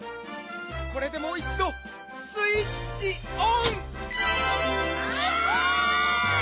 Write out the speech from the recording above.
これでもういちどスイッチオン！わ！